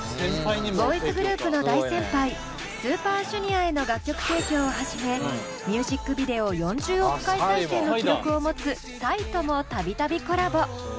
ボーイズグループの大先輩ＳＵＰＥＲＪＵＮＩＯＲへの楽曲提供をはじめミュージックビデオ４０億回再生の記録を持つＰＳＹともたびたびコラボ。